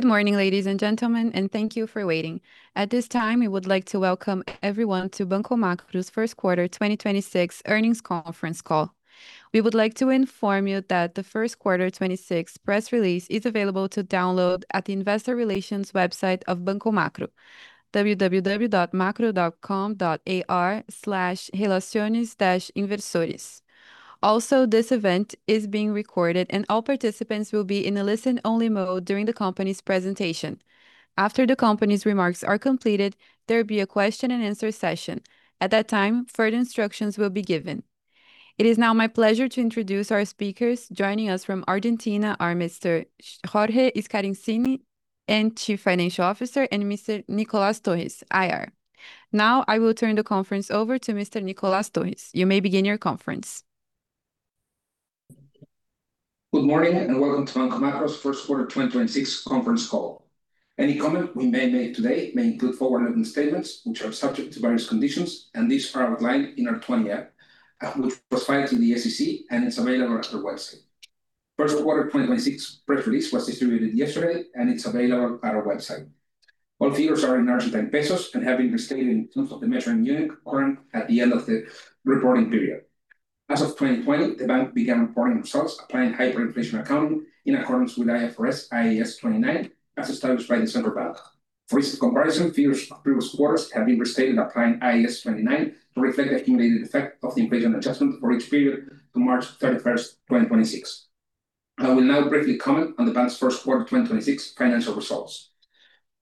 Good morning, ladies and gentlemen, and thank you for waiting. At this time, we would like to welcome everyone to Banco Macro's first quarter 2026 earnings conference call. We would like to inform you that the first quarter 2026 press release is available to download at the investor relations website of Banco Macro, www.macro.com.ar/relaciones-inversores. Also, this event is being recorded, and all participants will be in a listen-only mode during the company's presentation. After the company's remarks are completed, there'll be a question and answer session. At that time, further instructions will be given. It is now my pleasure to introduce our speakers. Joining us from Argentina are Mr. Jorge Scarinci and Chief Financial Officer, and Mr. Nicolás Torres, IR. Now I will turn the conference over to Mr. Nicolás Torres. You may begin your conference. Good morning, and welcome to Banco Macro's first quarter 2026 conference call. Any comment we may make today may include forward-looking statements which are subject to various conditions, and these are outlined in our 20-F, which was filed to the SEC and is available at our website. First quarter 2026 press release was distributed yesterday, and it's available at our website. All figures are in ARS and have been restated in terms of the measuring unit current at the end of the reporting period. As of 2020, the bank began reporting results applying hyperinflation accounting in accordance with IFRS, IAS 29, as established by the Central Bank. For ease of comparison, figures of previous quarters have been restated applying IAS 29 to reflect the accumulated effect of the inflation adjustment for each period to March 31st, 2026. I will now briefly comment on the bank's first quarter 2026 financial results.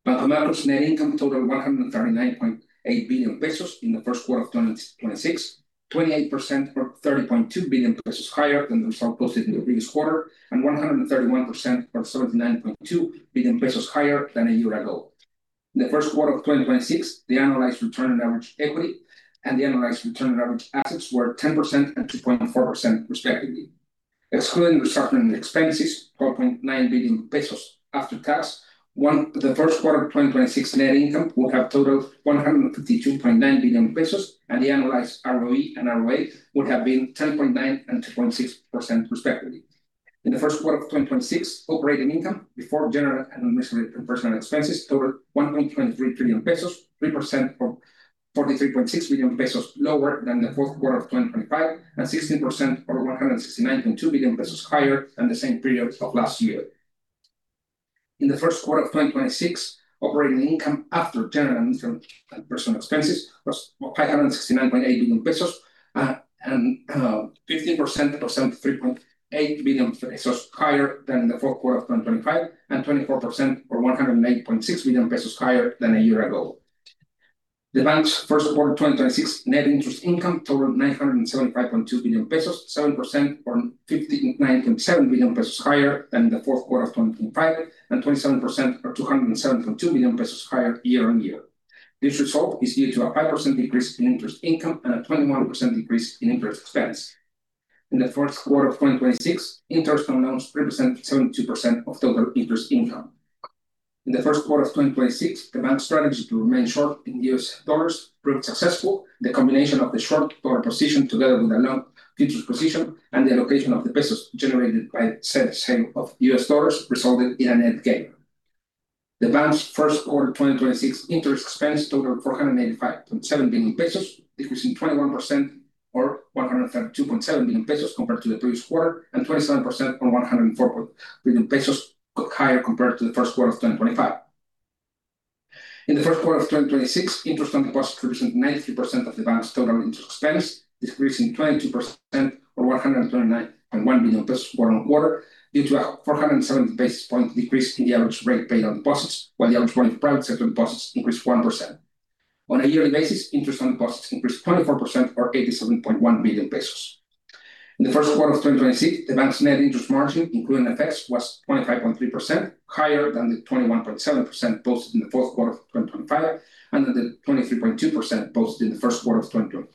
Banco Macro's net income totaled 139.8 billion pesos in the first quarter of 2026, 28% or 30.2 billion pesos higher than the sum posted in the previous quarter and 131% or 39.2 billion pesos higher than a year ago. In the first quarter of 2026, the annualized return on average equity and the annualized return on average assets were 10% and 2.4% respectively. Excluding restructuring expenses, 4.9 billion pesos after tax, the first quarter 2026 net income would have totaled 152.9 billion pesos, and the annualized ROE and ROA would have been 10.9 and 2.6% respectively. In the first quarter of 2026, operating income before general and administrative and personnel expenses totaled 1.23 trillion pesos, 3% or 43.6 billion pesos lower than the fourth quarter of 2025 and 16% or 169.2 billion pesos higher than the same period of last year. In the first quarter of 2026, operating income after general, administrative and personnel expenses was 569.8 billion pesos and 15% or 73.8 billion pesos higher than the fourth quarter of 2025 and 24% or 108.6 billion pesos higher than a year ago. The bank's first quarter 2026 net interest income totaled 975.2 billion pesos, 7% or 59.7 billion pesos higher than the fourth quarter of 2025, and 27% or 207.2 billion pesos higher year-on-year. This result is due to a 5% decrease in interest income and a 21% decrease in interest expense. In the first quarter of 2026, interest on loans represented 72% of total interest income. In the first quarter of 2026, the bank's strategy to remain short in US dollars proved successful. The combination of the short dollar position together with the long futures position and the allocation of the ARS generated by the said sale of US dollars resulted in a net gain. The bank's first quarter 2026 interest expense totaled 485.7 billion pesos, decreasing 21% or 132.7 billion pesos compared to the previous quarter, and 27% or 104 billion pesos higher compared to the first quarter of 2025. In the first quarter of 2026, interest on deposits represented 93% of the bank's total interest expense, decreasing 22% or 129.1 billion pesos quarter on quarter due to a 470 basis point decrease in the average rate paid on deposits, while the average loan price of deposits increased 1%. On a yearly basis, interest on deposits increased 24% or 87.1 billion pesos. In the first quarter of 2026, the bank's net interest margin, including FX, was 25.3%, higher than the 21.7% posted in the fourth quarter of 2025 and the 23.2% posted in the first quarter of 2020.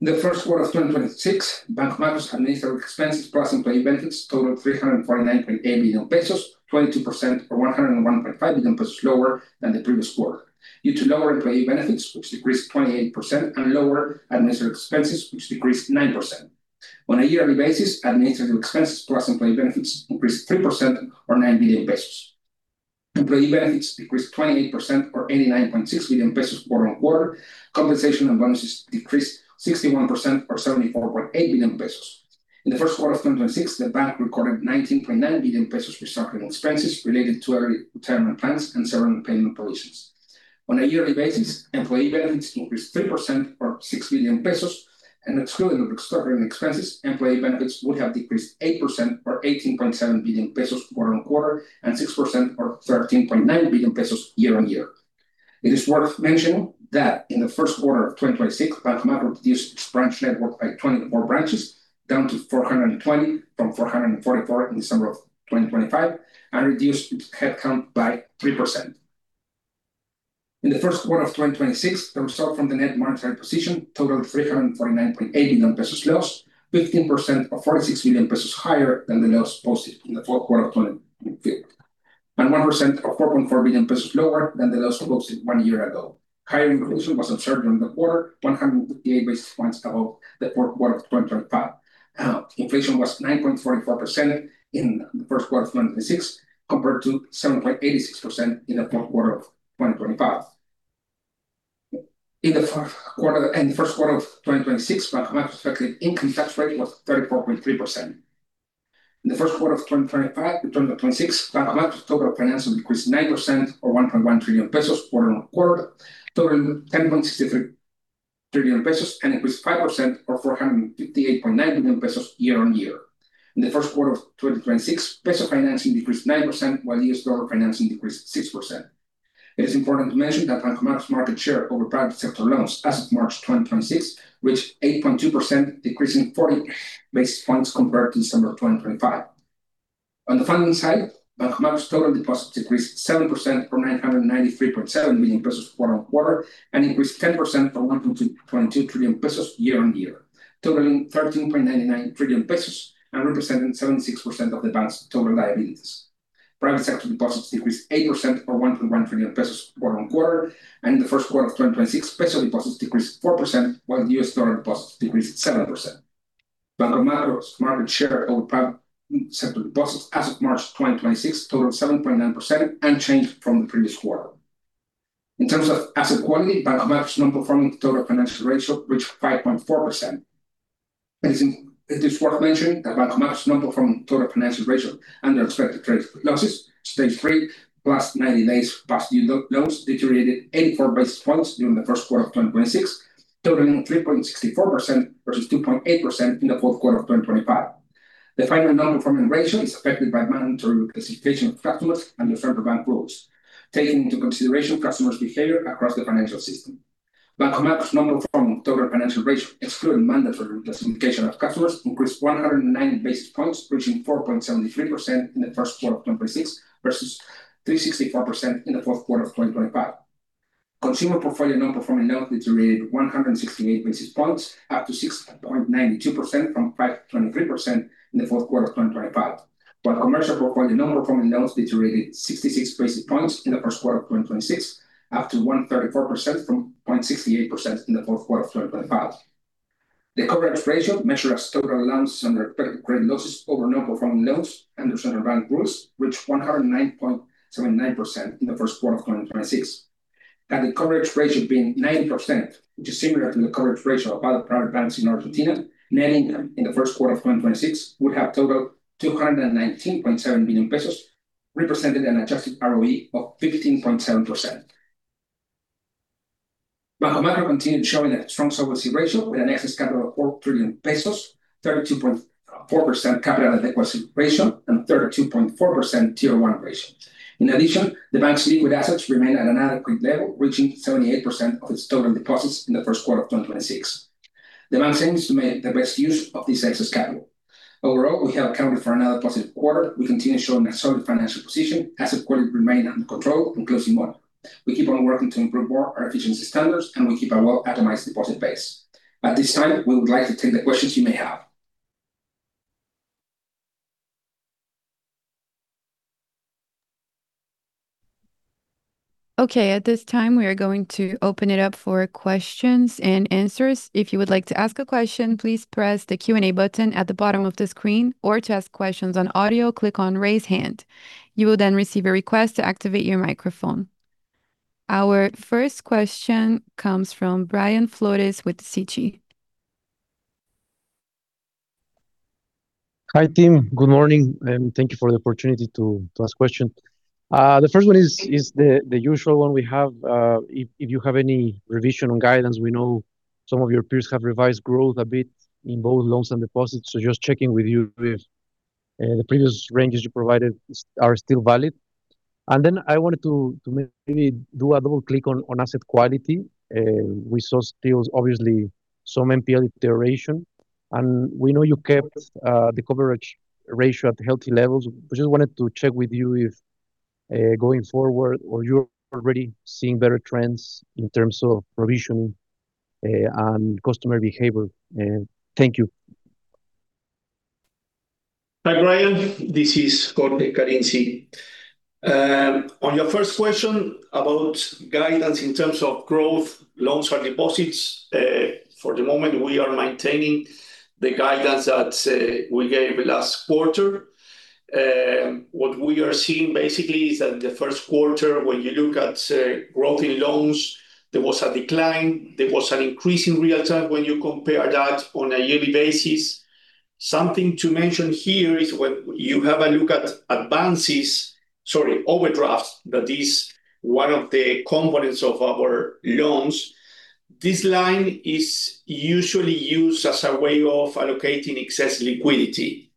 The first quarter of 2026, Banco Macro's administrative expenses plus employee benefits totaled 349.8 billion pesos, 22% or 101.5 billion pesos lower than the previous quarter due to lower employee benefits, which decreased 28%, and lower administrative expenses, which decreased 9%. On a yearly basis, administrative expenses plus employee benefits increased 3% or 9 billion pesos. Employee benefits decreased 28% or 89.6 billion pesos quarter on quarter. Compensation and bonuses decreased 61% or 74.8 billion pesos. In the first quarter of 2026, the bank recorded 19.9 billion pesos restructuring expenses related to early retirement plans and severance payment provisions. On a yearly basis, employee benefits increased 3% or 6 billion pesos, and excluding the restructuring expenses, employee benefits would have decreased 8% or 18.7 billion pesos quarter-on-quarter and 6% or 13.9 billion pesos year-on-year. It is worth mentioning that in the first quarter of 2026, Banco Macro reduced its branch network by 24 branches down to 420 from 444 in December of 2025 and reduced its headcount by 3%. In the first quarter of 2026, the result from the net monetary position totaled 349.8 billion pesos loss, 15% or 46 billion pesos higher than the loss posted in the fourth quarter of 2025, and 1% or 4.4 billion pesos lower than the loss posted one year ago. Higher inflation was observed during the quarter, 158 basis points above the fourth quarter of 2025. Inflation was 9.44% in the first quarter of 2026, compared to 7.86% in the fourth quarter of 2025. In the first quarter of 2026, Banco Macro's effective income tax rate was 34.3%. In the first quarter of 2025 to 2026, Banco Macro's total financing decreased 9% or 1.1 trillion pesos quarter-on-quarter, totaling 10.63 trillion pesos, and increased 5% or 458.9 billion pesos year-on-year. In the first quarter of 2026, ARS financing decreased 9%, while U.S. dollar financing decreased 6%. It is important to mention that Banco Macro's market share over private sector loans as of March 2026, reached 8.2%, decreasing 40 basis points compared to December of 2025. On the funding side, Banco Macro's total deposits decreased 7% or 993.7 billion pesos quarter-on-quarter, and increased 10% or 1.22 trillion pesos year-on-year, totaling 13.99 trillion pesos and representing 76% of the bank's total liabilities. Private sector deposits decreased 8% or 1.1 trillion pesos quarter-on-quarter. In the first quarter of 2026, peso deposits decreased 4%, while US dollar deposits decreased 7%. Banco Macro's market share over private sector deposits as of March 2026 total 7.9% unchanged from the previous quarter. In terms of asset quality, Banco Macro's non-performing total financial ratio reached 5.4%. It is worth mentioning that Banco Macro's non-performing total financial ratio under expected credit losses, Stage 3, plus 90 days past due loans deteriorated 84 basis points during the first quarter of 2026, totaling 3.64% versus 2.8% in the fourth quarter of 2025. The final non-performing ratio is affected by mandatory classification of customers under central bank rules, taking into consideration customers' behavior across the financial system. Banco Macro's non-performing total financial ratio, excluding mandatory classification of customers, increased 109 basis points, reaching 4.73% in the first quarter of 2026 versus 3.64% in the fourth quarter of 2025. Consumer portfolio non-performing loans deteriorated 168 basis points up to 6.92% from 5.3% in the fourth quarter of 2025. While commercial portfolio non-performing loans deteriorated 66 basis points in the first quarter of 2026, up to 134% from 0.68% in the fourth quarter of 2025. The coverage ratio, measured as total allowance under credit losses over non-performing loans under central bank rules, reached 109.79% in the first quarter of 2026. Had the coverage ratio been 90%, which is similar to the coverage ratio of other private banks in Argentina, net income in the first quarter of 2026 would have totaled 219.7 billion pesos, representing an adjusted ROE of 15.7%. Banco Macro continued showing a strong solvency ratio with an excess capital of 4 trillion pesos, 32.4% capital adequacy ratio and 32.4% Tier 1 ratio. The bank's liquid assets remain at an adequate level, reaching 78% of its total deposits in the first quarter of 2026. The bank seems to make the best use of this excess capital. We have accounted for another positive quarter. We continue showing a solid financial position. Asset quality remain under control and closing model. We keep on working to improve more our efficiency standards, and we keep a well-atomized deposit base. At this time, we would like to take the questions you may have. Okay. At this time, we are going to open it up for questions and answers. If you would like to ask a question, please press the Q&A button at the bottom of the screen, or to ask questions on audio, click on Raise Hand. You will receive a request to activate your microphone. Our first question comes from Brian Flores with Citi. Hi, team. Good morning, and thank you for the opportunity to ask question. The first one is the usual one we have. If you have any revision on guidance, we know some of your peers have revised growth a bit in both loans and deposits. Just checking with you if the previous ranges you provided are still valid. I wanted to maybe do a double click on asset quality. We saw still obviously some NPL deterioration, and we know you kept the coverage ratio at healthy levels. I just wanted to check with you if, going forward or you're already seeing better trends in terms of provision and customer behavior. Thank you. Hi, Brian. This is Jorge Scarinci. On your first question about guidance in terms of growth, loans or deposits, for the moment, we are maintaining the guidance that we gave last quarter. What we are seeing basically is that the first quarter, when you look at growth in loans, there was a decline. There was an increase in real times when you compare that on a yearly basis. Something to mention here is when you have a look at advances, sorry, overdraft, that is one of the components of our loans. This line is usually used as a way of allocating excess liquidity.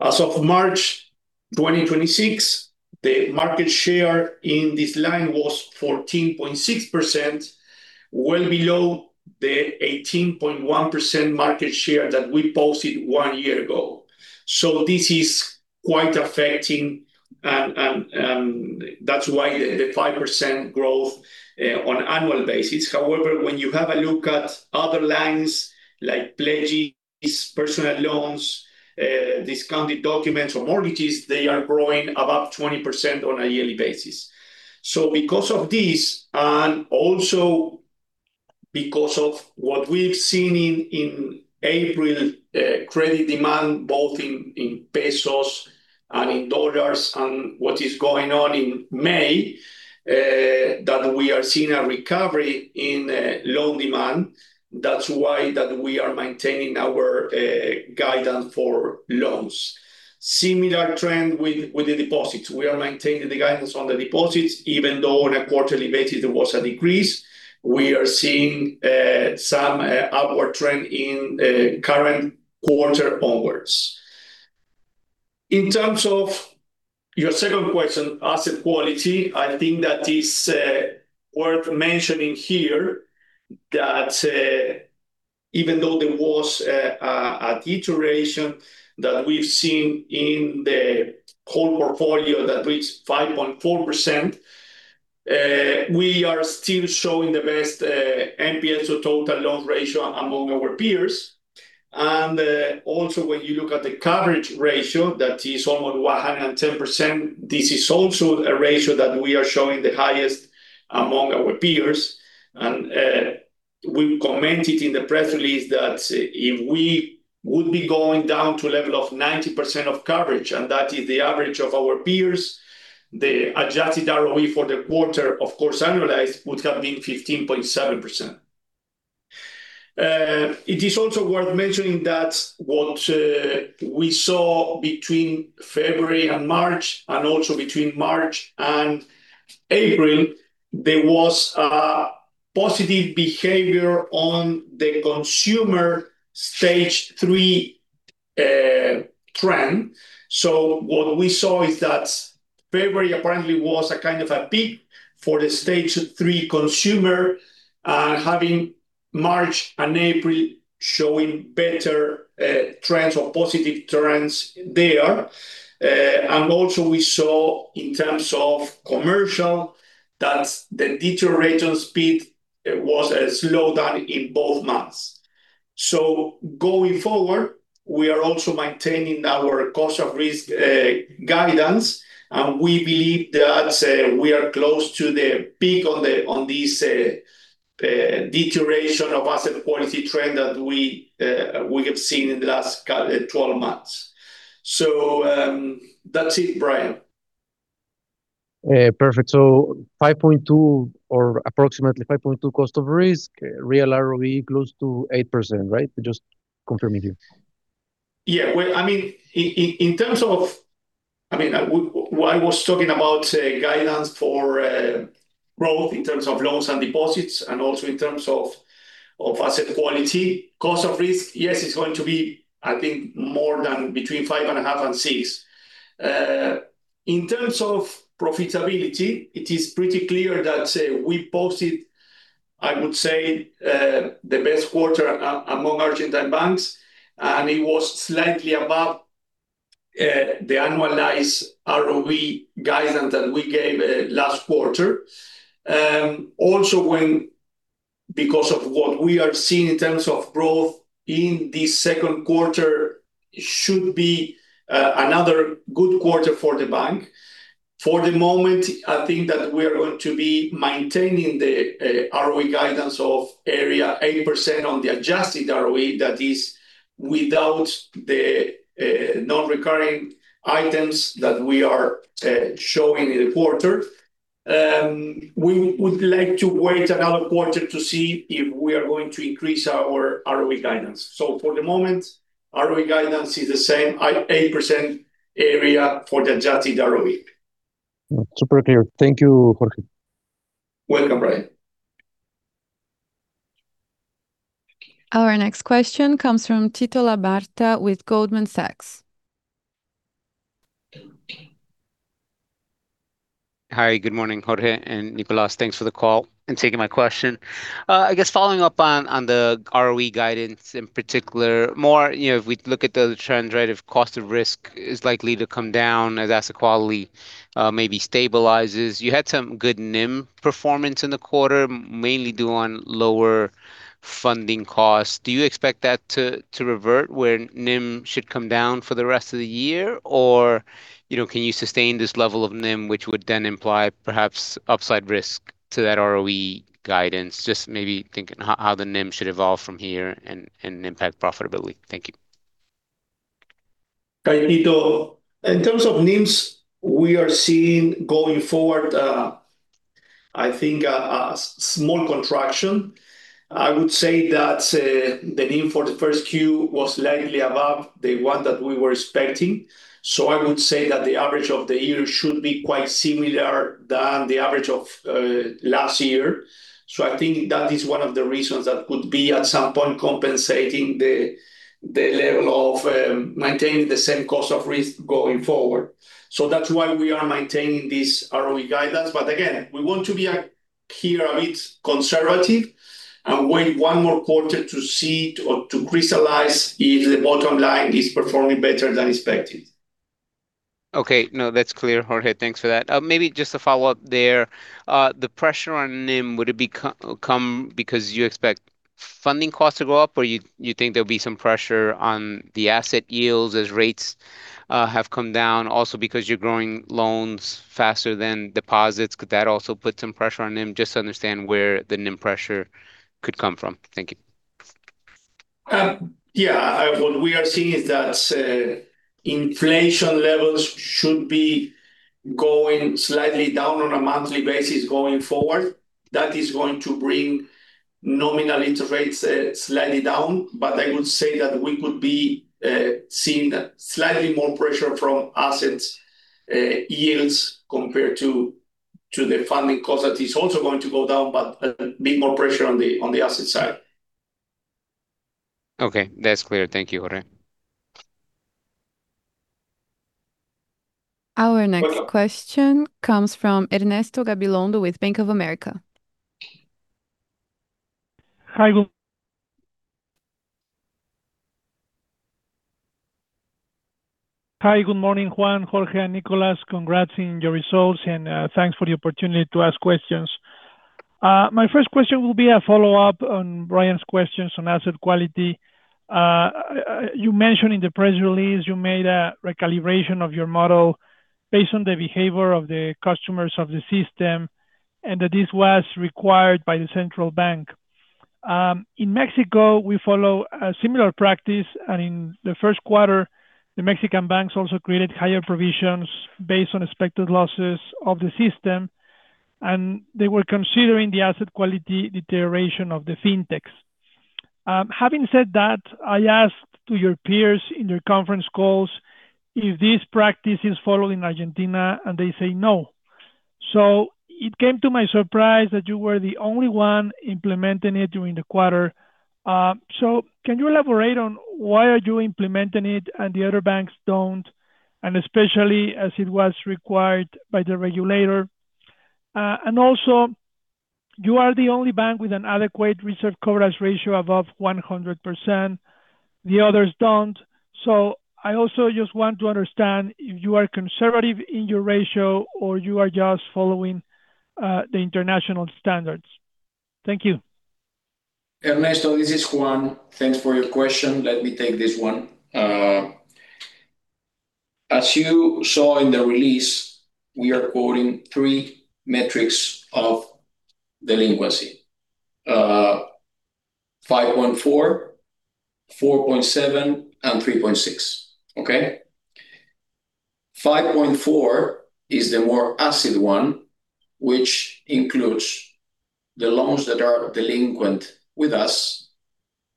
As of March 2026, the market share in this line was 14.6%, well below the 18.1% market share that we posted one year ago. This is quite affecting and that's why the 5% growth on annual basis. However, when you have a look at other lines like pledges, personal loans, discounted documents or mortgages, they are growing above 20% on a yearly basis. Because of this, and also. Because of what we've seen in April, credit demand, both in ARS and in USD, and what is going on in May, that we are seeing a recovery in loan demand. That's why that we are maintaining our guidance for loans. Similar trend with the deposits. We are maintaining the guidance on the deposits, even though on a quarterly basis, there was a decrease. We are seeing some upward trend in the current quarter onwards. In terms of your second question, asset quality, I think that is worth mentioning here that even though there was a deterioration that we've seen in the whole portfolio that reached 5.4%, we are still showing the best NPL, so total loan ratio among our peers. Also when you look at the coverage ratio, that is almost 110%, this is also a ratio that we are showing the highest among our peers. We commented in the press release that if we would be going down to a level of 90% of coverage, and that is the average of our peers, the adjusted ROE for the quarter, of course, annualized, would have been 15.7%. It is also worth mentioning that what we saw between February and March, and also between March and April, there was a positive behavior on the consumer Stage 3 trend. So what we saw is that February apparently was a kind of a peak for the Stage 3 consumer, and having March and April showing better trends or positive trends there. Also we saw in terms of commercial, that the deterioration speed was slowed down in both months. Going forward, we are also maintaining our cost of risk guidance, and we believe that we are close to the peak on this deterioration of asset quality trend that we have seen in the last 12 months. That's it, Brian. Perfect. 5.2 or approximately 5.2 cost of risk, real ROE close to 8%, right? Just confirming with you. Yeah. I was talking about guidelines for growth in terms of loans and deposits and also in terms of asset quality. Cost of risk, yes, it's going to be, I think, more than between five and a half and six. In terms of profitability, it is pretty clear that we posted, I would say, the best quarter among Argentine banks, and it was slightly above the annualized ROE guidance that we gave last quarter. Because of what we are seeing in terms of growth in this second quarter should be another good quarter for the bank. For the moment, I think that we are going to be maintaining the ROE guidance of area 80% on the adjusted ROE, that is without the non-recurring items that we are showing in the quarter. We would like to wait another quarter to see if we are going to increase our ROE guidance. For the moment, ROE guidance is the same 80% area for the adjusted ROE. Super clear. Thank you, Jorge. Welcome, Brian. Our next question comes from Tito Labarta with Goldman Sachs. Hi, good morning, Jorge and Nicolás. Thanks for the call and taking my question. I guess following up on the ROE guidance in particular, more if we look at the trends, right, of cost of risk is likely to come down as asset quality maybe stabilizes. You had some good NIM performance in the quarter, mainly due on lower funding costs. Do you expect that to revert where NIM should come down for the rest of the year? Can you sustain this level of NIM, which would then imply perhaps upside risk to that ROE guidance? Just maybe thinking how the NIM should evolve from here and impact profitability. Thank you. Hi, Tito. In terms of NIMs, we are seeing going forward, I think a small contraction. I would say that the NIM for the first Q was slightly above the one that we were expecting. I would say that the average of the year should be quite similar than the average of last year. I think that is one of the reasons that could be, at some point, compensating the level of maintaining the same cost of risk going forward. That's why we are maintaining this ROE guidance. Again, we want to be here a bit conservative and wait one more quarter to see or to crystallize if the bottom line is performing better than expected. Okay. No, that's clear, Jorge. Thanks for that. Maybe just to follow up there. The pressure on NIM, would it come because you expect Funding costs to go up, or you think there'll be some pressure on the asset yields as rates have come down, also because you're growing loans faster than deposits? Could that also put some pressure on NIM, just to understand where the NIM pressure could come from? Thank you. Yeah. What we are seeing is that inflation levels should be going slightly down on a monthly basis going forward. That is going to bring nominal interest rates slightly down. I would say that we could be seeing slightly more pressure from assets yields compared to the funding cost that is also going to go down, but a bit more pressure on the asset side. Okay. That's clear. Thank you, Jorge. Our next question comes from Ernesto Gabilondo with Bank of America. Hi. Good morning, Juan, Jorge, and Nicolás. Congrats in your results, and thanks for the opportunity to ask questions. My first question will be a follow-up on Brian's questions on asset quality. You mentioned in the press release you made a recalibration of your model based on the behavior of the customers of the system, and that this was required by the Central Bank of Argentina. In Mexico, we follow a similar practice. In the first quarter, the Mexican banks also created higher provisions based on expected losses of the system, and they were considering the asset quality deterioration of the fintechs. Having said that, I asked to your peers in your conference calls if this practice is followed in Argentina, and they say no. It came to my surprise that you were the only one implementing it during the quarter. Can you elaborate on why are you implementing it and the other banks don't, and especially as it was required by the regulator. Also, you are the only bank with an adequate reserve coverage ratio above 100%. The others don't. I also just want to understand if you are conservative in your ratio or you are just following the international standards. Thank you. Ernesto, this is Juan. Thanks for your question. Let me take this one. As you saw in the release, we are quoting three metrics of delinquency. 5.4, 4.7, and 3.6. Okay? 5.4 is the more acid one, which includes the loans that are delinquent with us,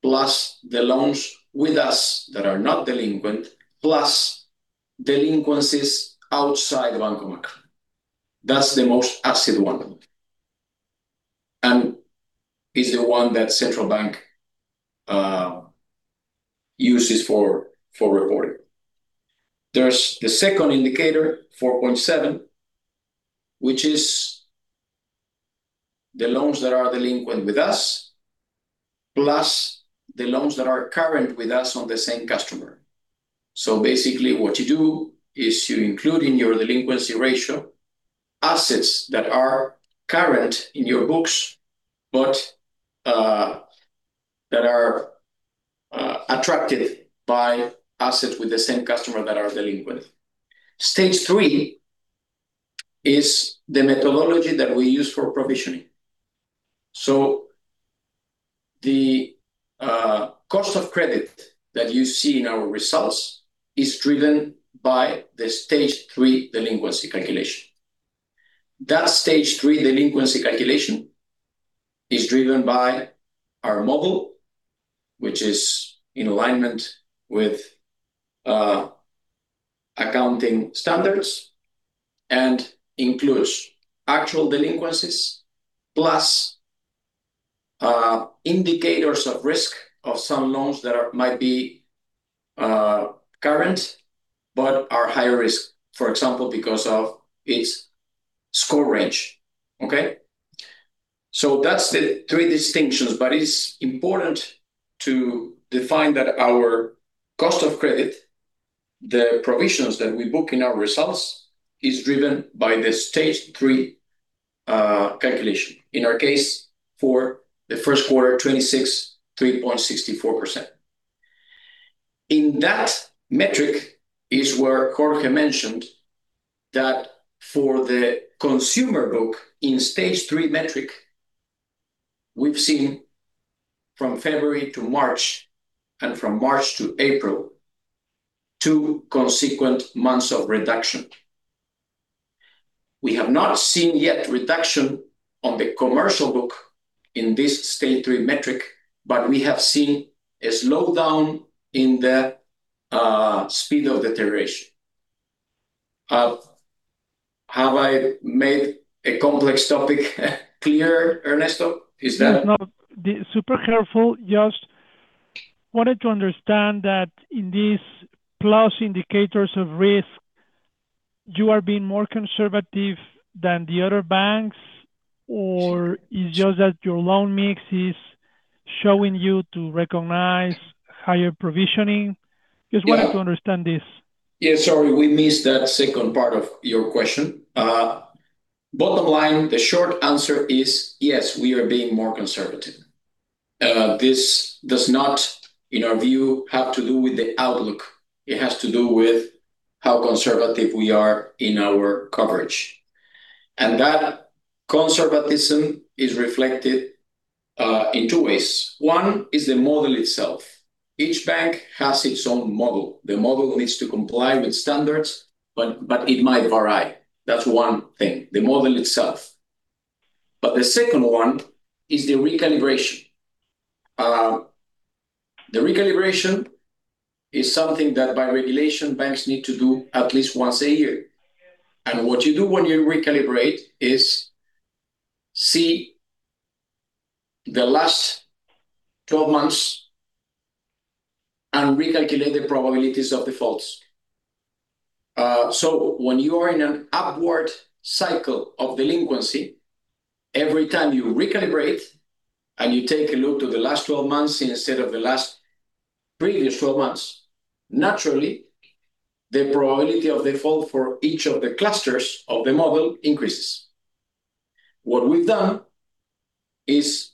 plus the loans with us that are not delinquent, plus delinquencies outside Banco Macro. That's the most acid one. Is the one that Central Bank uses for reporting. There's the second indicator, 4.7, which is the loans that are delinquent with us, plus the loans that are current with us on the same customer. Basically, what you do is you include in your delinquency ratio assets that are current in your books, but that are attracted by assets with the same customer that are delinquent. Stage 3 is the methodology that we use for provisioning. The cost of credit that you see in our results is driven by the Stage 3 delinquency calculation. That Stage 3 delinquency calculation is driven by our model, which is in alignment with accounting standards and includes actual delinquencies, plus indicators of risk of some loans that might be current but are higher risk, for example, because of its score range. Okay. That's the three distinctions. It's important to define that our cost of credit, the provisions that we book in our results, is driven by the Stage 3 calculation. In our case, for the first quarter 2026, 3.64%. In that metric is where Jorge mentioned that for the consumer book in Stage 3 metric, we've seen from February to March and from March to April, two consequent months of reduction. We have not seen yet reduction on the commercial book in this stage 3 metric, but we have seen a slowdown in the speed of deterioration. Have I made a complex topic clear, Ernesto? No. Super careful. Just wanted to understand that in these plus indicators of risk, you are being more conservative than the other banks, or it's just that your loan mix is showing you to recognize higher provisioning? Just wanted to understand this. Yeah. Sorry, we missed that second part of your question. Bottom line, the short answer is yes, we are being more conservative. This does not, in our view, have to do with the outlook. It has to do with how conservative we are in our coverage. That conservatism is reflected in two ways. One is the model itself. Each bank has its own model. The model needs to comply with standards, but it might vary. That's one thing, the model itself. The second one is the recalibration. The recalibration is something that, by regulation, banks need to do at least once a year. What you do when you recalibrate is see the last 12 months and recalculate the probabilities of defaults. When you are in an upward cycle of delinquency, every time you recalibrate and you take a look to the last 12 months instead of the last previous 12 months, naturally, the probability of default for each of the clusters of the model increases. What we've done is,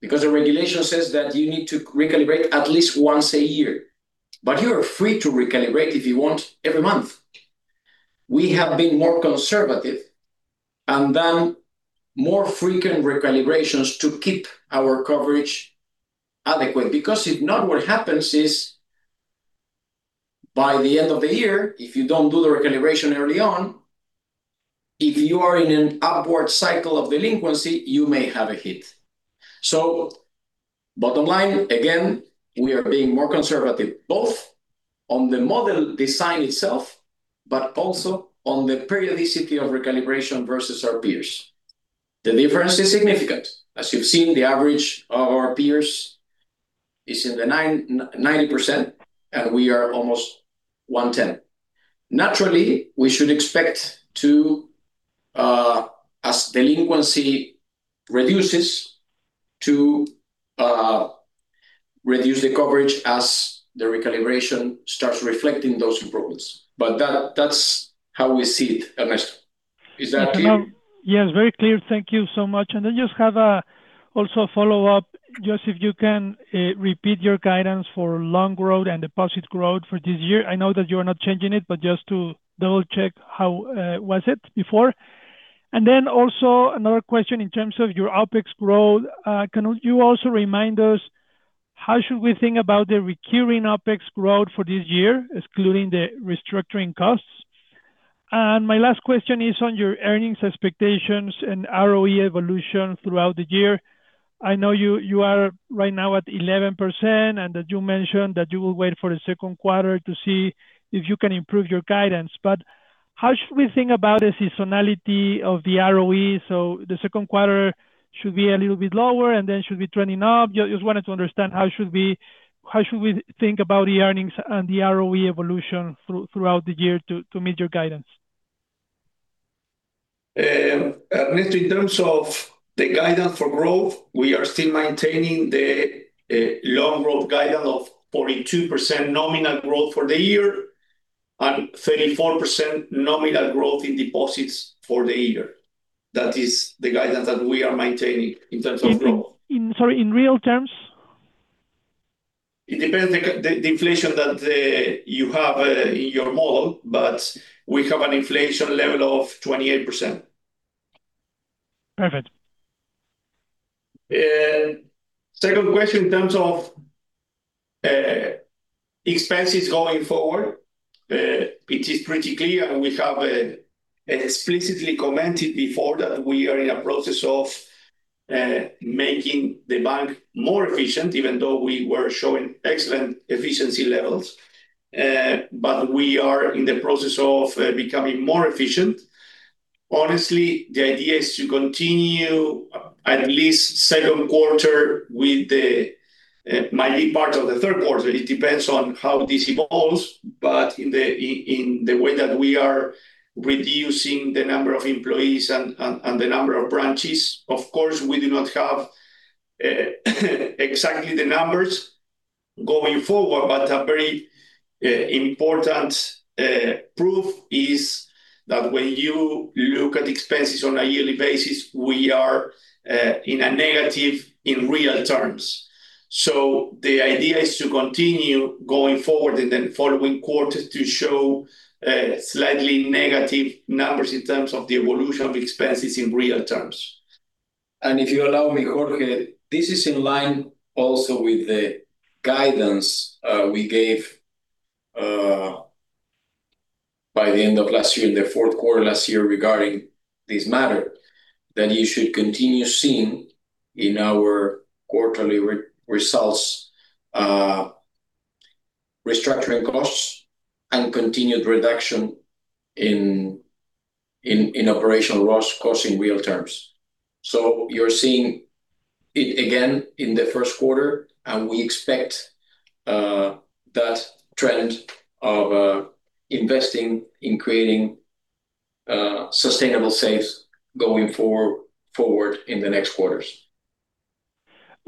because the regulation says that you need to recalibrate at least once a year, but you are free to recalibrate if you want every month. We have been more conservative and done more frequent recalibrations to keep our coverage adequate, because if not, what happens is, by the end of the year, if you don't do the recalibration early on, if you are in an upward cycle of delinquency, you may have a hit. Bottom line, again, we are being more conservative, both on the model design itself, but also on the periodicity of recalibration versus our peers. The difference is significant. As you've seen, the average of our peers is in the 90%, and we are almost 110. Naturally, we should expect to, as delinquency reduces, to reduce the coverage as the recalibration starts reflecting those improvements. That's how we see it, Ernesto. Is that clear? Yes, very clear. Thank you so much. I just have also a follow-up. Just if you can repeat your guidance for loan growth and deposit growth for this year. I know that you are not changing it, but just to double-check how was it before. Also another question in terms of your OpEx growth. Can you also remind us how should we think about the recurring OpEx growth for this year, excluding the restructuring costs? My last question is on your earnings expectations and ROE evolution throughout the year. I know you are right now at 11% and that you mentioned that you will wait for the second quarter to see if you can improve your guidance. How should we think about the seasonality of the ROE? The second quarter should be a little bit lower and then should be trending up. Just wanted to understand how should we think about the earnings and the ROE evolution throughout the year to meet your guidance? Ernesto, in terms of the guidance for growth, we are still maintaining the loan growth guidance of 42% nominal growth for the year and 34% nominal growth in deposits for the year. That is the guidance that we are maintaining in terms of growth. Sorry, in real terms? It depends the inflation that you have in your model, but we have an inflation level of 28%. Perfect. Second question, in terms of expenses going forward, it is pretty clear, and we have explicitly commented before that we are in a process of making the bank more efficient, even though we were showing excellent efficiency levels. We are in the process of becoming more efficient. Honestly, the idea is to continue at least second quarter with the mid-parts of the third quarter. It depends on how this evolves, but in the way that we are reducing the number of employees and the number of branches. Of course, we do not have exactly the numbers going forward, but a very important proof is that when you look at expenses on a yearly basis, we are in a negative in real terms. The idea is to continue going forward in the following quarters to show slightly negative numbers in terms of the evolution of expenses in real terms. If you allow me, Jorge, this is in line also with the guidance we gave by the end of last year, the fourth quarter last year, regarding this matter, that you should continue seeing in our quarterly results restructuring costs and continued reduction in operational costs in real terms. You're seeing it again in the first quarter, and we expect that trend of investing in creating sustainable saves going forward in the next quarters.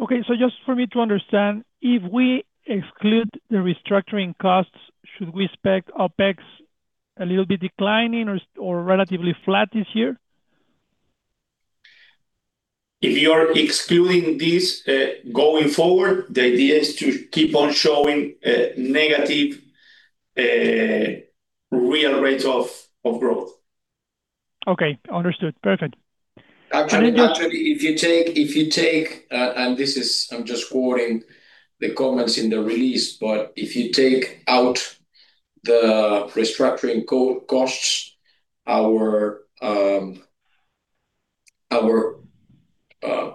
Okay, just for me to understand, if we exclude the restructuring costs, should we expect OPEX a little bit declining or relatively flat this year? If you are excluding this, going forward, the idea is to keep on showing a negative real rate of growth. Okay, understood. Perfect. Actually, I'm just quoting the comments in the release, but if you take out the restructuring costs, our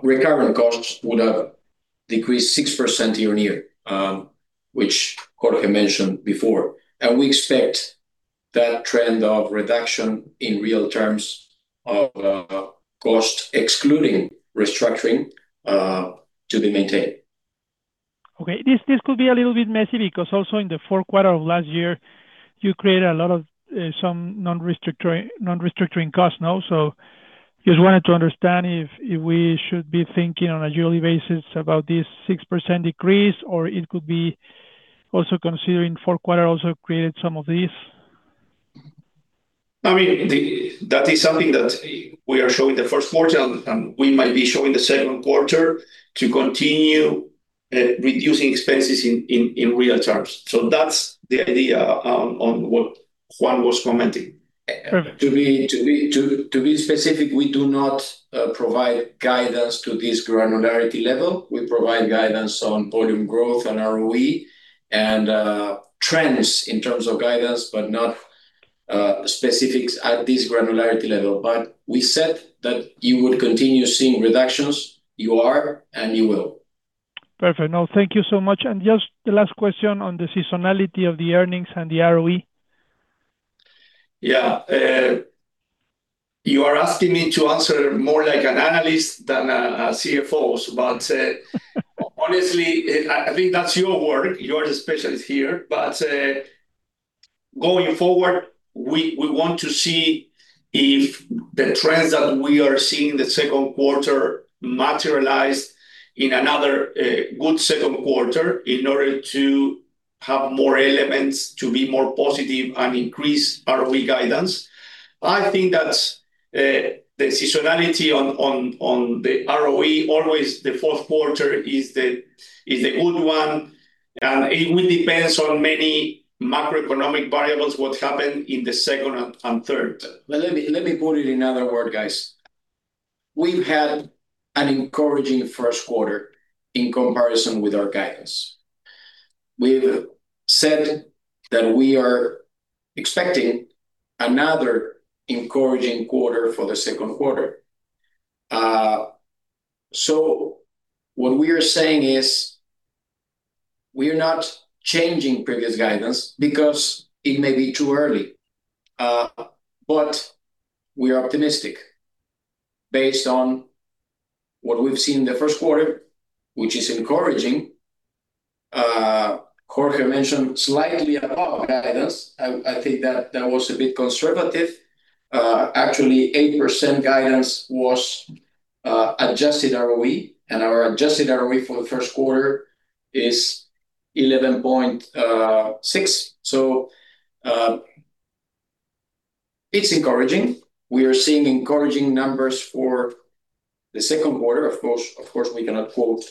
recurrent costs would have decreased 6% year-on-year, which Jorge mentioned before. We expect that trend of reduction in real terms of cost, excluding restructuring, to be maintained. Okay. This could be a little bit messy because also in the fourth quarter of last year, you created some non-restructuring costs now. Just wanted to understand if we should be thinking on a yearly basis about this 6% decrease, or it could be also considering fourth quarter also created some of this. That is something that we are showing the first quarter, and we might be showing the second quarter to continue reducing expenses in real terms. That's the idea on what Juan was commenting. Perfect. To be specific, we do not provide guidance to this granularity level. We provide guidance on volume growth and ROE, trends in terms of guidance, but not specifics at this granularity level. We said that you would continue seeing reductions. You are, and you will. Perfect. No, thank you so much. Just the last question on the seasonality of the earnings and the ROE. Yeah. You are asking me to answer more like an analyst than a CFO. Honestly, I think that's your work. You are the specialist here. Going forward, we want to see if the trends that we are seeing the second quarter materialize in another good second quarter in order to have more elements to be more positive and increase ROE guidance. I think that's the seasonality on the ROE. Always, the fourth quarter is the good one, and it will depends on many macroeconomic variables what happen in the second and third. Let me put it another word, guys. We've had an encouraging first quarter in comparison with our guidance. We've said that we are expecting another encouraging quarter for the second quarter. What we are saying is, we are not changing previous guidance because it may be too early. We are optimistic based on what we've seen in the first quarter, which is encouraging. Jorge mentioned slightly above guidance. I think that was a bit conservative. Actually, 8% guidance was adjusted ROE, and our adjusted ROE for the first quarter is 11.6. It's encouraging. We are seeing encouraging numbers for the second quarter. Of course, we cannot quote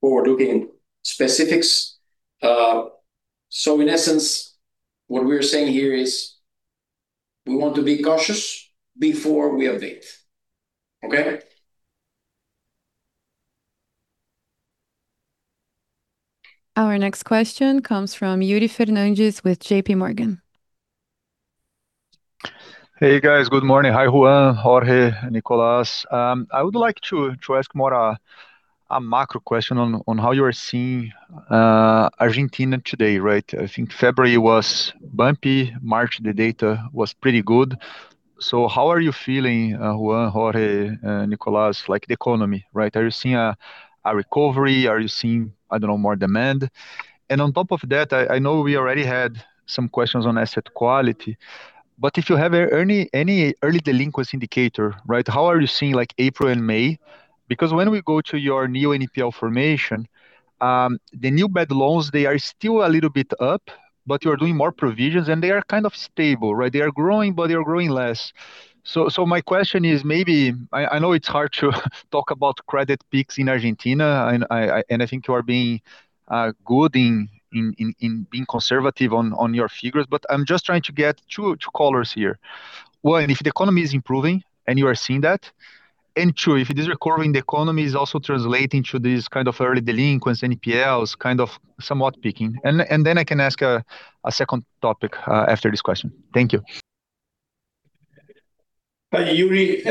forward-looking specifics. In essence, what we are saying here is we want to be cautious before we update. Okay? Our next question comes from Yuri Fernandes with JP Morgan. Hey, guys. Good morning. Hi, Juan, Jorge, Nicolás. I would like to ask more a macro question on how you are seeing Argentina today, right? I think February was bumpy. March, the data was pretty good. How are you feeling, Juan, Jorge, Nicolás, like the economy right? Are you seeing a recovery? Are you seeing, I don't know, more demand? On top of that, I know we already had some questions on asset quality, but if you have any early delinquency indicator, right, how are you seeing April and May? When we go to your new NPL formation, the new bad loans, they are still a little bit up, but you are doing more provisions, and they are kind of stable, right? They are growing, but they are growing less. My question is, I know it's hard to talk about credit peaks in Argentina, and I think you are being good in being conservative on your figures, but I'm just trying to get two callers here. One, if the economy is improving and you are seeing that, two, if it is recovering, the economy is also translating to these early delinquency NPLs, kind of somewhat peaking. I can ask a second topic after this question. Thank you. Hi, Yuri.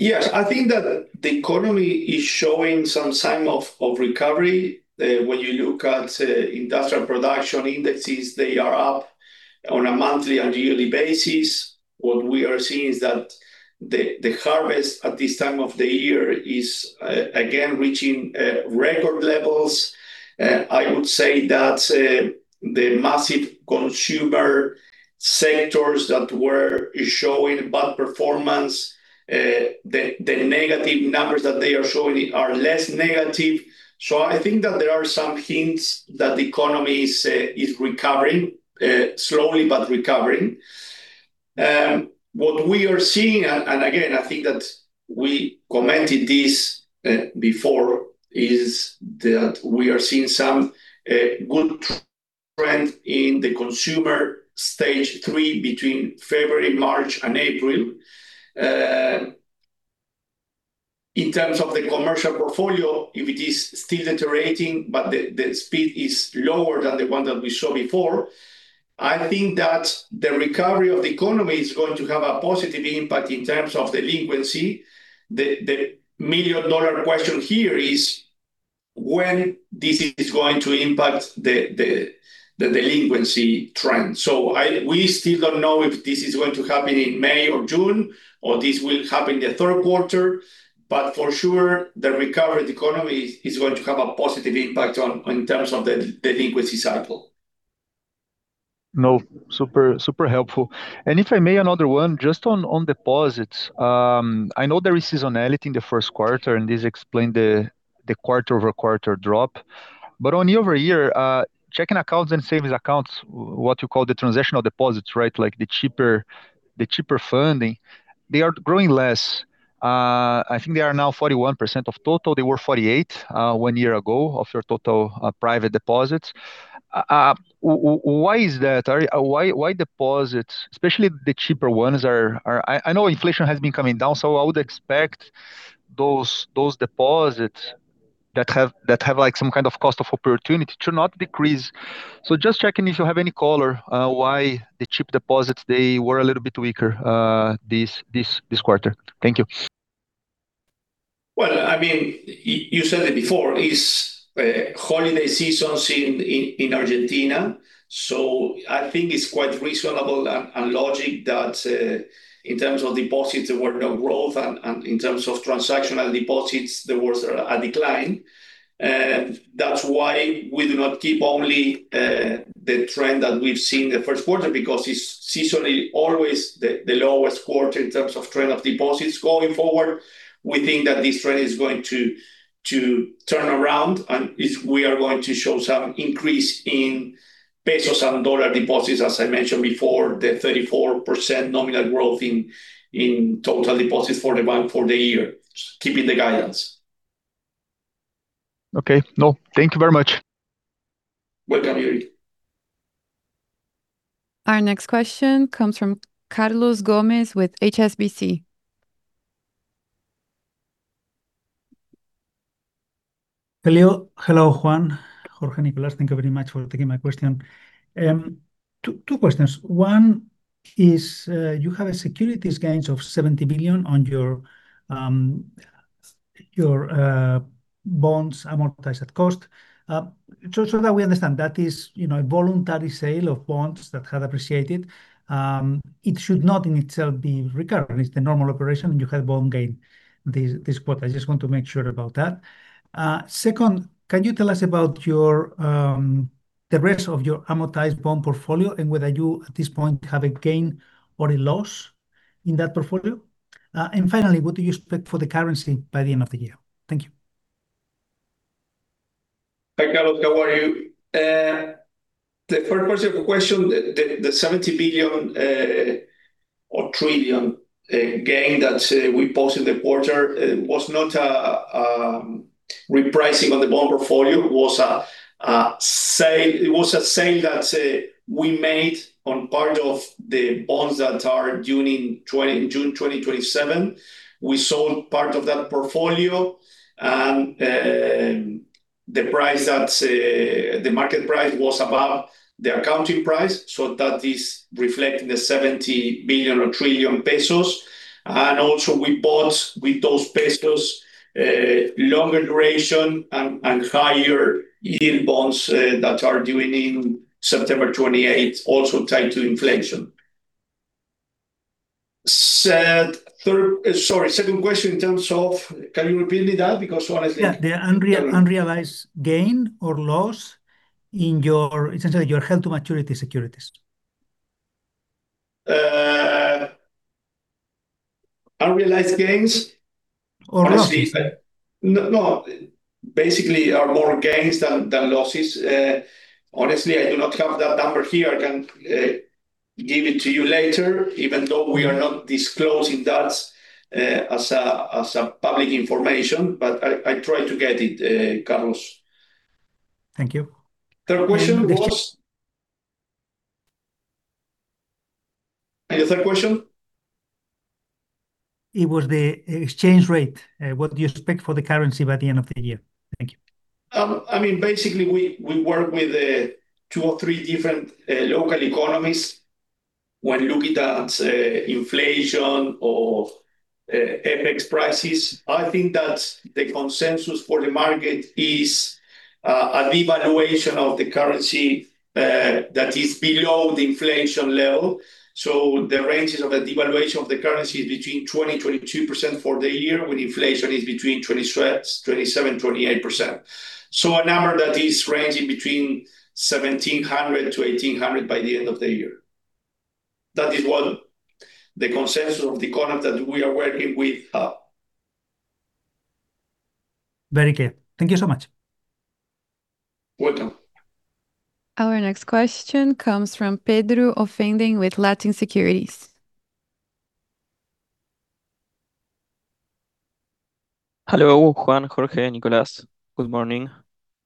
Yes, I think that the economy is showing some sign of recovery. When you look at industrial production indices, they are up on a monthly and yearly basis. What we are seeing is that the harvest at this time of the year is, again, reaching record levels. I would say that the massive consumer sectors that were showing bad performance, the negative numbers that they are showing are less negative. I think that there are some hints that the economy is recovering, slowly but recovering. What we are seeing, and again, I think that we commented this before, is that we are seeing some good trends in the consumer stage 3 between February, March, and April. In terms of the commercial portfolio, it is still deteriorating, but the speed is lower than the one that we saw before. I think that the recovery of the economy is going to have a positive impact in terms of delinquency. The million-dollar question here is when this is going to impact the delinquency trend. We still don't know if this is going to happen in May or June, or this will happen the third quarter, but for sure, the recovery of the economy is going to have a positive impact in terms of the delinquency cycle. No, super helpful. If I may, another one just on deposits. I know there is seasonality in the first quarter, and this explained the quarter-over-quarter drop. On year-over-year, checking accounts and savings accounts, what you call the transactional deposits, right? The cheaper funding, they are growing less. I think they are now 41% of total. They were 48% one year ago of your total private deposits. Why is that? Why deposits, especially the cheaper ones? I know inflation has been coming down, so I would expect those deposits that have some kind of cost of opportunity to not decrease. Just checking if you have any color why the cheap deposits, they were a little bit weaker this quarter. Thank you. You said it before, it's holiday seasons in Argentina. I think it's quite reasonable and logic that in terms of deposits, there were no growth, and in terms of transactional deposits, there was a decline. That's why we do not keep only the trend that we've seen in the first quarter because it's seasonally always the lowest quarter in terms of trend of deposits going forward. We think that this trend is going to turn around, and we are going to show some increase in pesos and dollar deposits. As I mentioned before, the 34% nominal growth in total deposits for the bank for the year, keeping the guidance. Okay. No, thank you very much. Welcome, Yuri. Our next question comes from Carlos Gomez-Lopez with HSBC. Hello, Juan, Jorge, Nicolas. Thank you very much for taking my question. Two questions. One is, you have a securities gains of 70 billion on your bonds amortized cost. Just so that we understand, that is a voluntary sale of bonds that had appreciated. It should not in itself be recurring. It's the normal operation, and you have bond gain this quarter. I just want to make sure about that. Second, can you tell us about the rest of your amortized bond portfolio and whether you, at this point, have a gain or a loss in that portfolio? Finally, what do you expect for the currency by the end of the year? Thank you. Hi, Carlos. How are you? For the first part of your question, the 70 billion gain that we posted the quarter was not a repricing of the bond portfolio. It was a sale that we made on part of the bonds that are due in June 2027. The market price was above the accounting price, that is reflecting the 70 billion. Also, we bought, with those pesos, longer duration and higher yield bonds that are due in September 2028, also tied to inflation. Sorry, second question. Can you repeat me that? Yeah. The unrealized gain or loss in your, essentially, your held-to-maturity securities. Unrealized gains? Or loss. No. Basically are more gains than losses. Honestly, I do not have that number here. I can give it to you later, even though we are not disclosing that as a public information. I try to get it, Carlos. Thank you. Third question was? Your third question? It was the exchange rate. What do you expect for the currency by the end of the year? Thank you. Basically, we work with two or three different local economies when looking at inflation or FX prices. I think that the consensus for the market is a devaluation of the currency that is below the inflation level. The ranges of a devaluation of the currency is between 20%-22% for the year, when inflation is between 27%-28%. A number that is ranging between 1,700-1,800 by the end of the year. That is what the consensus of the economy that we are working with have. Very clear. Thank you so much. Welcome. Our next question comes from Pedro Offenhenden with Latin Securities. Hello, Juan, Jorge, Nicolás. Good morning.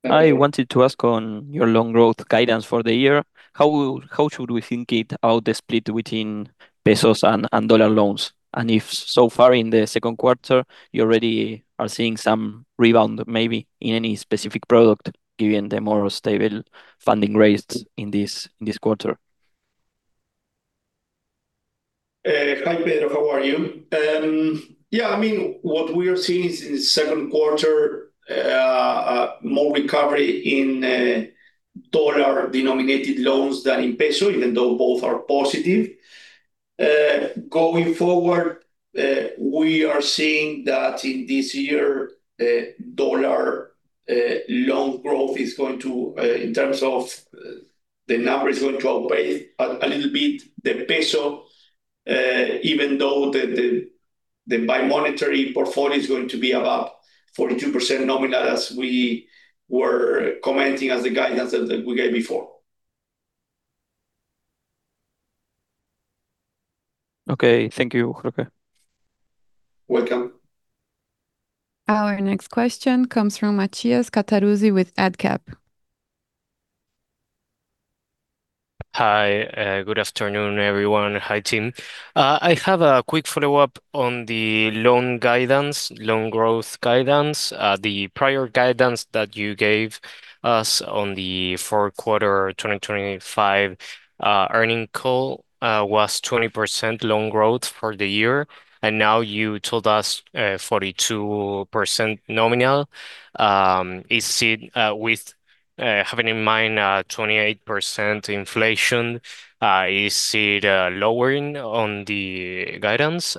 Good morning. I wanted to ask on your loan growth guidance for the year, how should we think it, how the split between ARS and USD loans? If so far in the second quarter, you already are seeing some rebound, maybe, in any specific product, given the more stable funding rates in this quarter? Hi, Pedro. How are you? Yeah. What we are seeing is in the second quarter, more recovery in dollar denominated loans than in ARS, even though both are positive. Going forward, we are seeing that in this year, dollar loan growth, in terms of the number, is going to outweigh a little bit the ARS, even though the bi-monetary portfolio is going to be about 42% nominal, as we were commenting as the guidance that we gave before. Okay. Thank you, Jorge. Welcome. Our next question comes from Matias Cattaruzzi with AdCap. Hi. Good afternoon, everyone. Hi, team. I have a quick follow-up on the loan growth guidance. The prior guidance that you gave us on the fourth quarter 2025 earnings call was 20% loan growth for the year, and now you told us 42% nominal. Having in mind 28% inflation, is it a lowering on the guidance?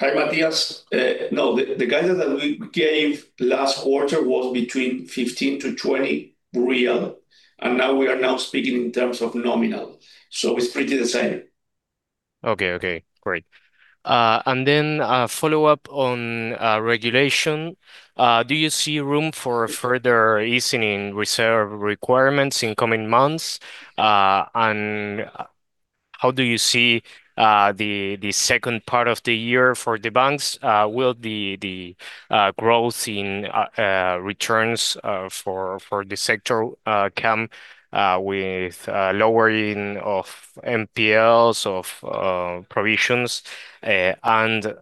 Hi, Matias. No. The guidance that we gave last quarter was between 15 to 20 real, and now we are now speaking in terms of nominal, so it's pretty the same. Okay. Great. Then a follow-up on regulation. Do you see room for further easing reserve requirements in coming months? How do you see the second part of the year for the banks? Will the growth in returns for the sector come with a lowering of NPLs, of provisions, and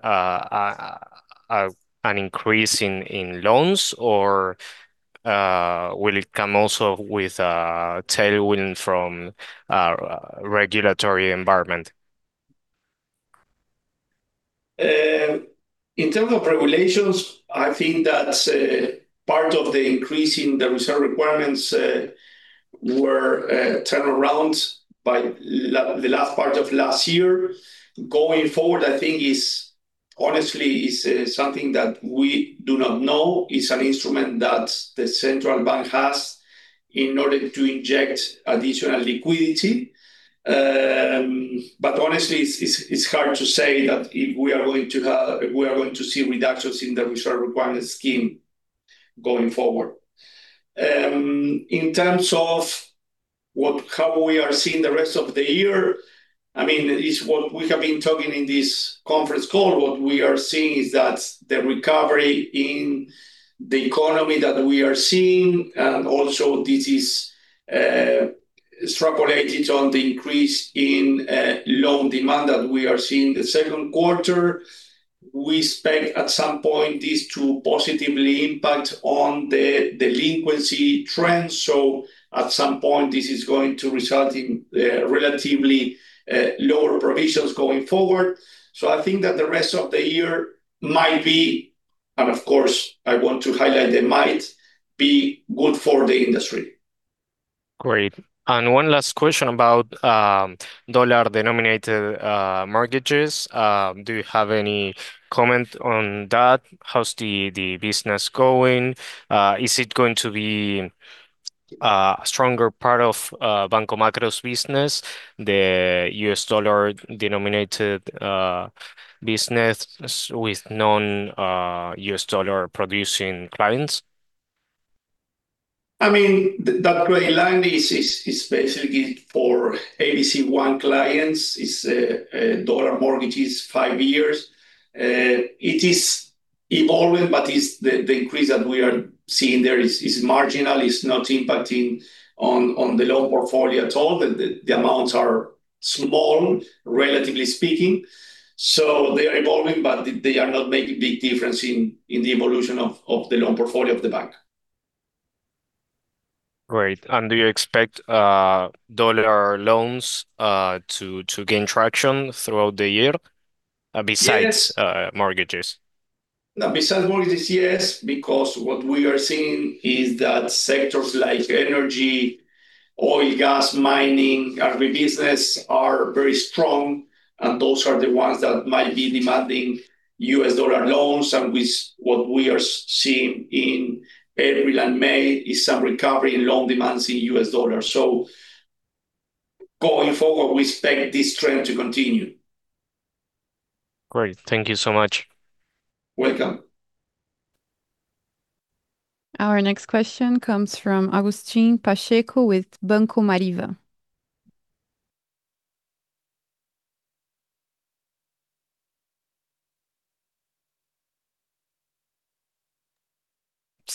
an increase in loans, or will it come also with a tailwind from regulatory environment? In terms of regulations, I think that part of the increase in the reserve requirements were turned around by the last part of last year. Going forward, I think honestly, it's something that we do not know. It's an instrument that the Central Bank has in order to inject additional liquidity. Honestly, it's hard to say that we are going to see reductions in the reserve requirement scheme going forward. In terms of how we are seeing the rest of the year, it's what we have been talking in this conference call. What we are seeing is that the recovery in the economy that we are seeing, and also this is extrapolated on the increase in loan demand that we are seeing the second quarter. We expect at some point this to positively impact on the delinquency trend. At some point, this is going to result in relatively lower provisions going forward. I think that the rest of the year might be, and of course, I want to highlight the might, be good for the industry. Great. One last question about dollar-denominated mortgages. Do you have any comment on that? How's the business going? Is it going to be a stronger part of Banco Macro's business, the US dollar-denominated business with non-US dollar-producing clients? That gray line is basically for ABC1 clients. It's dollar mortgages, five years. It is evolving, but the increase that we are seeing there is marginal. It's not impacting on the loan portfolio at all. The amounts are small, relatively speaking. They are evolving, but they are not making big difference in the evolution of the loan portfolio of the bank. Great. Do you expect dollar loans to gain traction throughout the year besides mortgages? Besides mortgages, yes, because what we are seeing is that sectors like energy, oil, gas, mining, agribusiness are very strong, and those are the ones that might be demanding US dollar loans. With what we are seeing in April and May is some recovery in loan demands in US dollars. Going forward, we expect this trend to continue. Great. Thank you so much. Welcome. Our next question comes from Agustin Pacheco with Banco Mariva.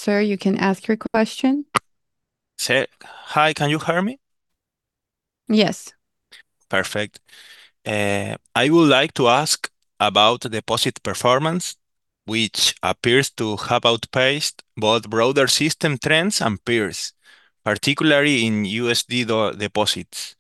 Sir, you can ask your question. Sir. Hi, can you hear me? Yes. Perfect. I would like to ask about deposit performance, which appears to have outpaced both broader system trends and peers, particularly in USD deposits.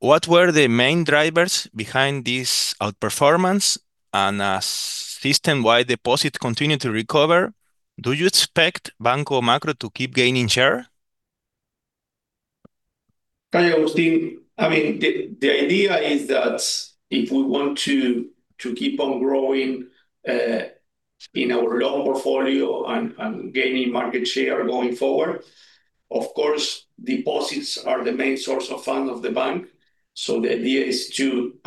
What were the main drivers behind this outperformance? As system-wide deposits continue to recover, do you expect Banco Macro to keep gaining share? Hi, Agustin. The idea is that if we want to keep on growing in our loan portfolio and gaining market share going forward, of course, deposits are the main source of funds of the bank.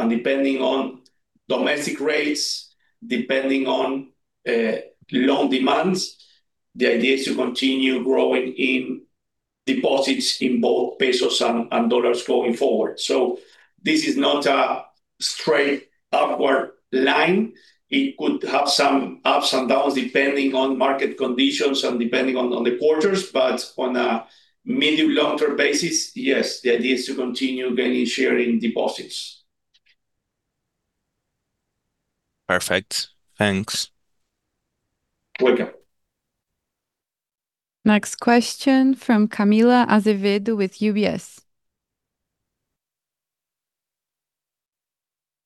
Depending on domestic rates, depending on loan demands, the idea is to continue growing in deposits in both pesos and dollars going forward. This is not a straight upward line. It could have some ups and downs depending on market conditions and depending on the quarters. On a medium long-term basis, yes, the idea is to continue gaining share in deposits. Perfect. Thanks. Welcome. Next question from Camila Azevedo with UBS.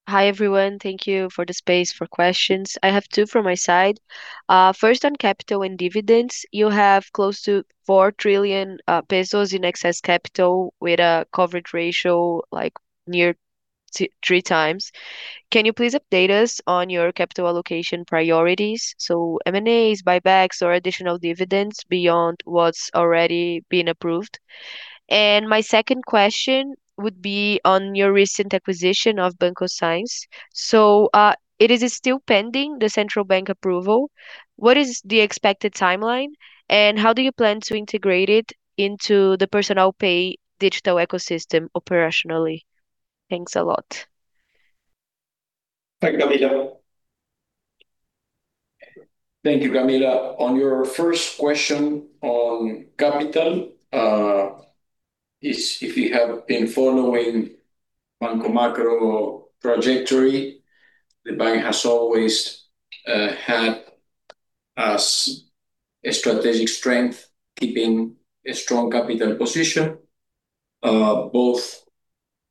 Hi, everyone. Thank you for the space for questions. I have two from my side. First, on capital and dividends. You have close to 4 trillion pesos in excess capital with a coverage ratio near three times. Can you please update us on your capital allocation priorities? M&As, buybacks or additional dividends beyond what's already been approved. My second question would be on your recent acquisition of Banco Sáenz. It is still pending the Central Bank of Argentina approval. What is the expected timeline, and how do you plan to integrate it into the Personal Pay digital ecosystem operationally? Thanks a lot. Thanks, Camila. Thank you, Camila. On your first question on capital, if you have been following Banco Macro trajectory, the bank has always had as a strategic strength keeping a strong capital position, both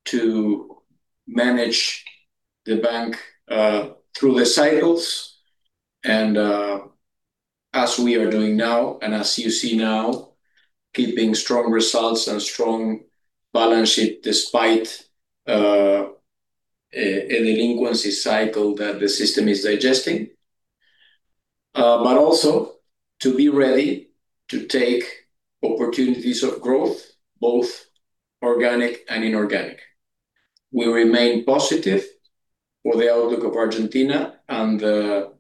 to manage the bank through the cycles and as we are doing now, and as you see now, keeping strong results and strong balance sheet despite a delinquency cycle that the system is digesting, but also to be ready to take opportunities of growth, both organic and inorganic. We remain positive for the outlook of Argentina and the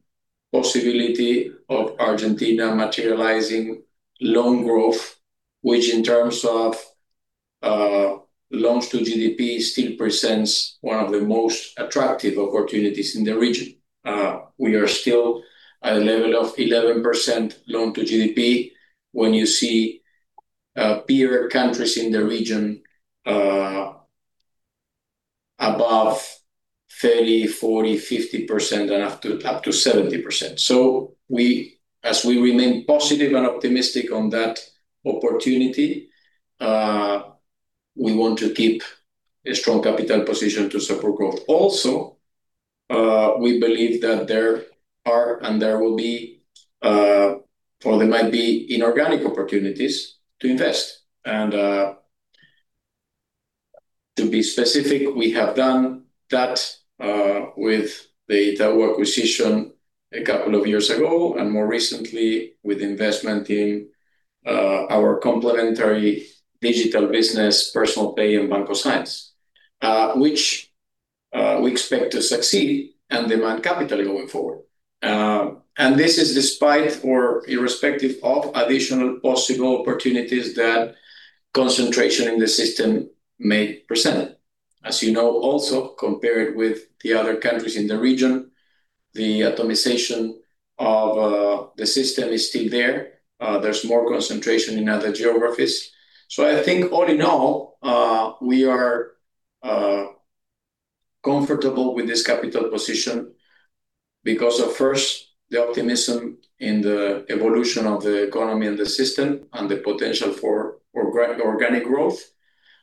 possibility of Argentina materializing loan growth, which in terms of loans to GDP, still presents one of the most attractive opportunities in the region. We are still at a level of 11% loan to GDP. When you see peer countries in the region above 30%, 40%, 50% and up to 70%. As we remain positive and optimistic on that opportunity, we want to keep a strong capital position to support growth. Also, we believe that there are and there will be, or there might be inorganic opportunities to invest. To be specific, we have done that with the Itaú acquisition a couple of years ago and more recently with investment in our complementary digital business, Personal Pay and Banco Sáenz, which we expect to succeed and demand capital going forward. This is despite or irrespective of additional possible opportunities that concentration in the system may present. As you know also, compared with the other countries in the region, the atomization of the system is still there. There's more concentration in other geographies. I think all in all, we are Comfortable with this capital position because of, first, the optimism in the evolution of the economy and the system and the potential for organic growth,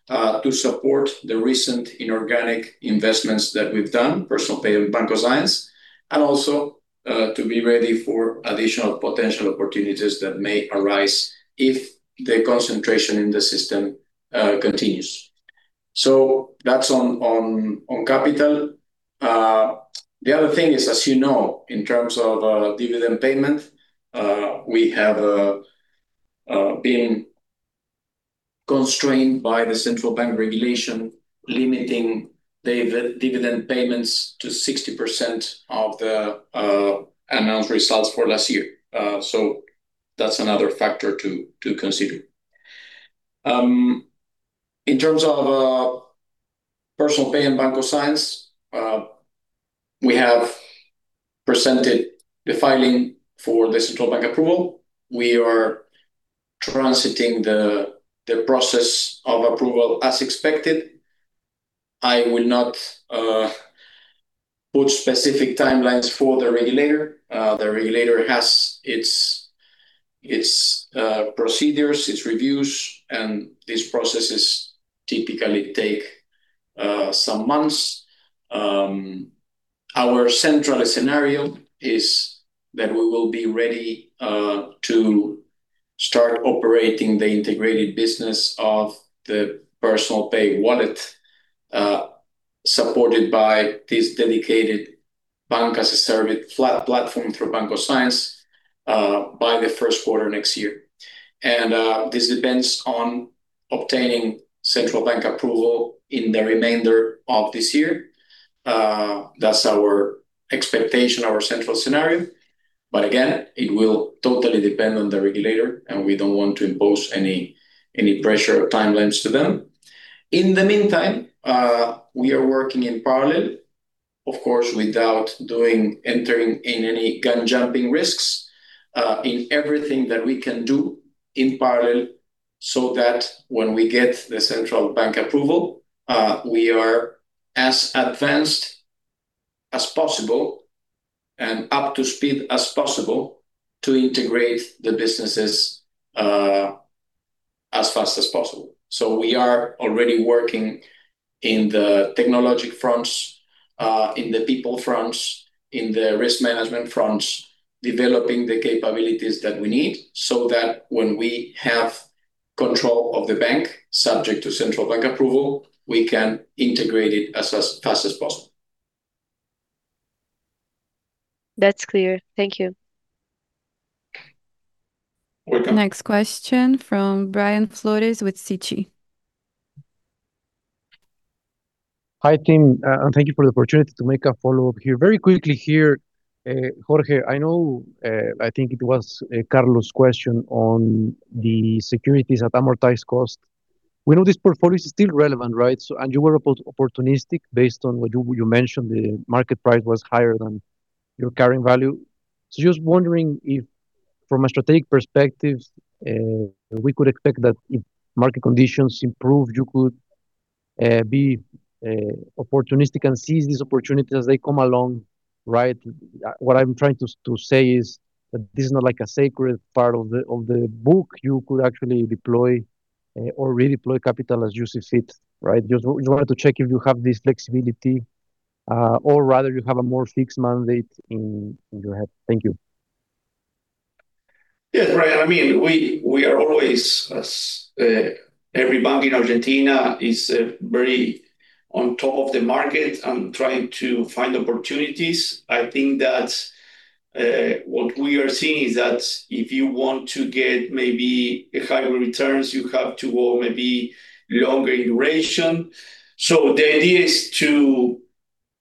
to support the recent inorganic investments that we've done, Personal Pay and Banco Sáenz, and also to be ready for additional potential opportunities that may arise if the concentration in the system continues. That's on capital. The other thing is, as you know, in terms of dividend payment, we have been constrained by the Central Bank regulation limiting dividend payments to 60% of the unassigned results for last year. That's another factor to consider. In terms of Personal Pay and Banco Sáenz, we have presented the filing for the Central Bank approval. We are transiting the process of approval as expected. I will not put specific timelines for the regulator. The regulator has its procedures, its reviews, and these processes typically take some months. Our central scenario is that we will be ready to start operating the integrated business of the Personal Pay wallet, supported by this dedicated bank-as-a-service platform through Banco Sáenz, by the first quarter next year. This depends on obtaining Central Bank approval in the remainder of this year. That's our expectation, our central scenario. Again, it will totally depend on the regulator, and we don't want to impose any pressure or timelines to them. In the meantime, we are working in parallel, of course, without entering in any gun-jumping risks, in everything that we can do in parallel, so that when we get the Central Bank approval, we are as advanced as possible and up to speed as possible to integrate the businesses as fast as possible. We are already working in the technological fronts, in the people fronts, in the risk management fronts, developing the capabilities that we need, so that when we have control of the bank, subject to Central Bank approval, we can integrate it as fast as possible. That's clear. Thank you. Welcome. Next question from Brian Flores with Citi. Hi, team, and thank you for the opportunity to make a follow-up here. Very quickly here, Jorge, I know, I think it was Carlos' question on the securities at amortized cost. We know this portfolio is still relevant, right? And you were opportunistic based on what you mentioned, the market price was higher than your carrying value. Just wondering if from a strategic perspective, we could expect that if market conditions improve, you could be opportunistic and seize these opportunities as they come along, right? What I'm trying to say is that this is not like a sacred part of the book. You could actually deploy or redeploy capital as you see fit, right? Just wanted to check if you have this flexibility, or rather you have a more fixed mandate in your head. Thank you. Yes, Brian. We are always, as every bank in Argentina, is very on top of the market and trying to find opportunities. I think that what we are seeing is that if you want to get maybe higher returns, you have to go maybe longer duration. The idea is to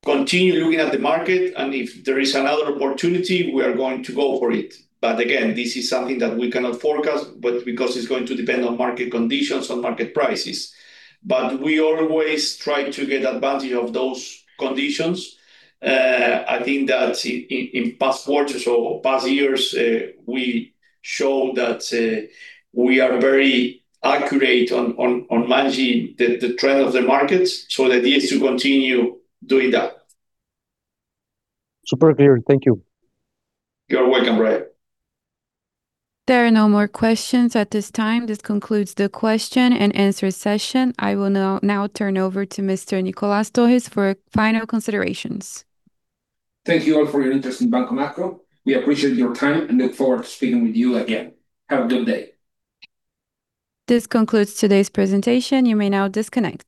continue looking at the market, and if there is another opportunity, we are going to go for it. Again, this is something that we cannot forecast, but because it's going to depend on market conditions, on market prices. We always try to get advantage of those conditions. I think that in past quarters or past years, we show that we are very accurate on managing the trend of the markets. The idea is to continue doing that. Super clear. Thank you. You're welcome, Brian. There are no more questions at this time. This concludes the question and answer session. I will now turn over to Mr. Nicolás Torres for final considerations. Thank you all for your interest in Banco Macro. We appreciate your time and look forward to speaking with you again. Have a good day. This concludes today's presentation. You may now disconnect.